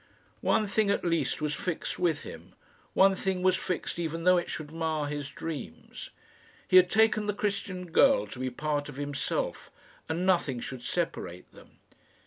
One thing at least was fixed with him one thing was fixed, even though it should mar his dreams. He had taken the Christian girl to be part of himself, and nothing should separate them.